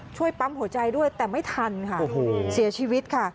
ช่วยปั๊มหัวใจด้วยแต่ไม่ทันค่ะเสียชีวิตค่ะ